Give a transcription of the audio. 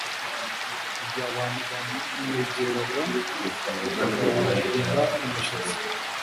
Igihe abantu bamwegeraga bahinda umushyitsi